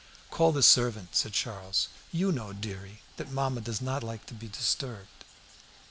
"Call the servant," said Charles. "You know, dearie, that mamma does not like to be disturbed."